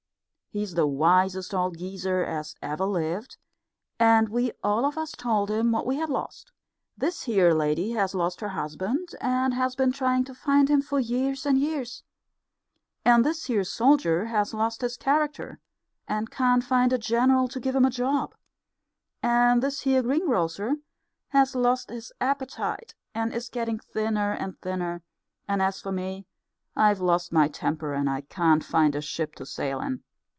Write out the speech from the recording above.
He's the wisest old geezer as ever lived, and we all of us told him what we had lost. This here lady has lost her husband and has been trying to find him for years and years; and this here soldier has lost his character and can't find a general to give him a job; and this here greengrocer has lost his appetite and is getting thinner and thinner; and as for me, I've lost my temper and can't find a ship to sail in."